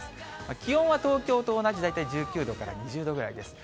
気温は東京と同じ、大体１９度から２０度ぐらいです。